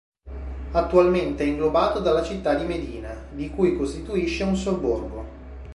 Attualmente è inglobato dalla città di Medina, di cui costituisce un sobborgo.